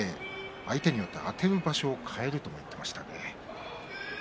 相手によってはあてる場所を変える、と言っていましたね。